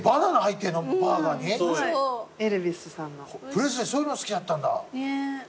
プレスリーそういうの好きだったんだ。